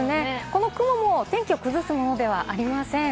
この雲も天気を崩すものではありません。